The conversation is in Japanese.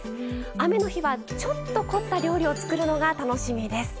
雨の日は、ちょっと凝った料理を作るのが楽しみです。